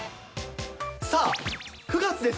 さあ、９月です。